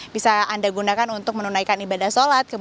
bisa anda gunakan untuk menunaikan ibadah sholat